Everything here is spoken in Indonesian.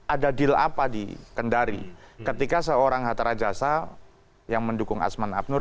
ada deal apa di kendari ketika seorang hatta rajasa yang mendukung asman abnur